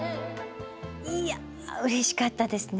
いやうれしかったですね。